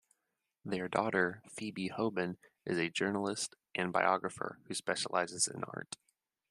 Their daughter Phoebe Hoban is a journalist and biographer who specializes in art.